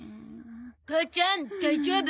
母ちゃん大丈夫？